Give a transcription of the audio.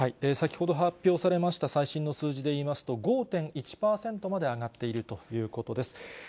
先ほど発表されました、最新の数字でいいますと、５．１％まで上がっているということです。